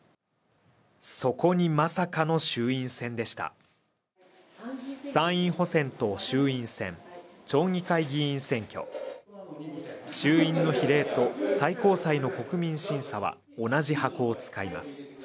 そこにまさかの衆院選でした参院補選と衆院選町議会議員選挙衆院の比例と最高裁の国民審査は同じ箱を使います